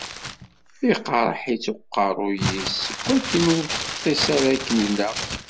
Iqerreḥ-itt uqerruy-is seg akken ur teṭṭis ara akken ilaq.